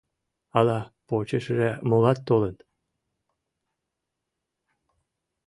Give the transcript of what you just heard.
Ала почешыже молат толыт?